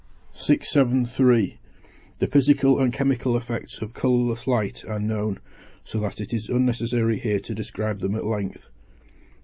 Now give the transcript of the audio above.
673. The physical and chemical effects of colourless light are known, so that it is unnecessary here to describe them at length.